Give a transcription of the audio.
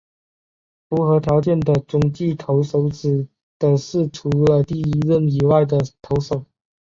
符合条件的中继投手指的是除了第一任以外的投手。